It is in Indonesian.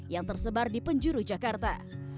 yang tersebar di penjuru jakarta